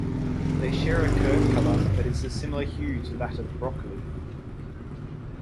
They share a curd color that is a similar hue to that of broccoli.